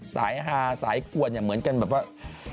สายฮาสายกวนเนี่ยเหมือนกันแบบว่า